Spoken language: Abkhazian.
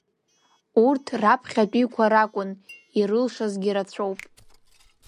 Урҭ раԥхьатәиқәа ракәын, ирылшазгьы рацәоуп.